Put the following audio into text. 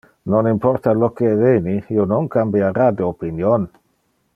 Non importa lo que eveni, io non cambiara de opinon.